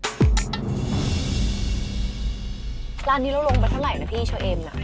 ร้านนี้เราลงไปเท่าไหร่นะพี่เชอเอมน่ะ